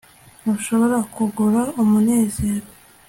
ntushobora kugura umunezero